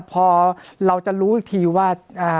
พอเราจะรู้อีกทีว่า